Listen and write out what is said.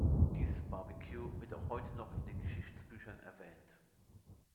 Dieses Barbecue wird auch heute noch in den Geschichtsbüchern erwähnt.